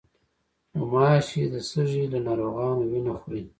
غوماشې د سږي له ناروغانو وینه خوري.